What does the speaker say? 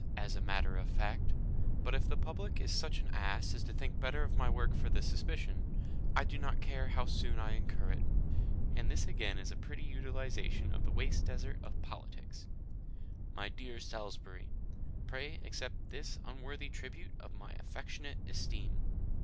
as a matter of fact, but if the public is such an ass as to think better of my work for the suspicion, I do not care how soon I incur it. And this again is a pretty utilisation of the waste desert of politics MY DEAR SALISBURY, Pray accept this unworthy tribute of my affectionate esteem.